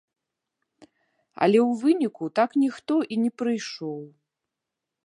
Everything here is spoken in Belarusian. Але ў выніку так ніхто і не прыйшоў.